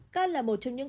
can là một trong những